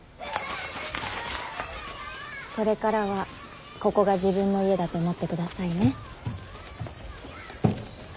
これからはここが自分の家だと思ってくださいね。